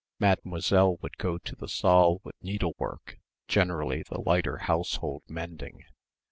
Mademoiselle would go to the saal with needlework, generally the lighter household mending.